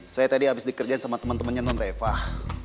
saya tadi abis dikerjain sama temen temennya non refah